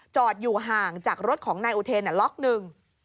จอดอยู่ห่างจากรถของนายอุเทนล็อกหนึ่ง